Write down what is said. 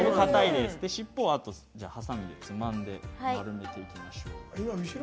尻尾をはさみでつまんで丸めていきましょう。